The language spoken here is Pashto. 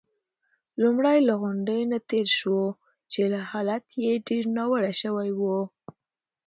لومړی له غونډ نه تېر شوو، چې حالت يې ډېر ناوړه شوی وو.